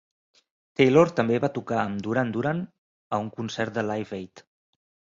Taylor també va tocar amb Duran Duran a un concert de Live Aid.